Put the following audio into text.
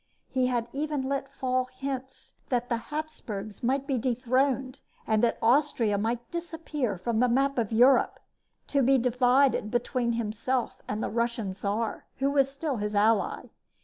He had even let fall hints that the Hapsburgs might be dethroned and that Austria might disappear from the map of Europe, to be divided between himself and the Russian Czar, who was still his ally.